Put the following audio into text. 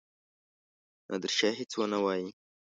نادرشاه هیڅ ونه وايي.